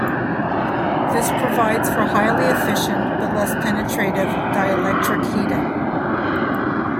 This provides for highly efficient, but less penetrative, dielectric heating.